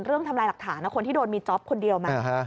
เรื่องทำลายหลักฐานคนที่โดนมีจ๊อปคนเดียวมั้ย